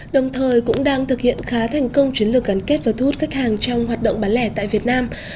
đồng thời cũng đang thực hiện khá thành công chiến lược gắn kết và thu hút khách hàng trong hoạt động bán lẻ tại việt nam